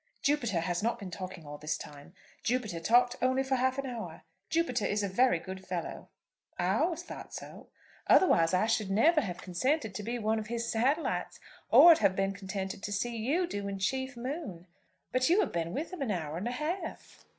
"Jupiter has not been talking all this time. Jupiter talked only for half an hour. Jupiter is a very good fellow." "I always thought so. Otherwise I should never have consented to have been one of his satellites, or have been contented to see you doing chief moon. But you have been with him an hour and a half."